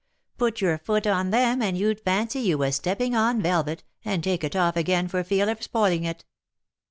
Put your foot on them, and you'd fancy you was stepping on velvet, and take it off again for fear of spoiling it.